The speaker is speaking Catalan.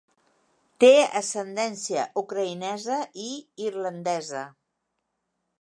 Té ascendència ucraïnesa i irlandesa.